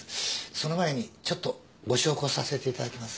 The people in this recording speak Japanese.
その前にちょっとご焼香させていただきます。